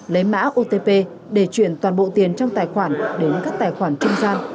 lấy mã otp để chuyển toàn bộ tiền trong tài khoản đến các tài khoản trung gian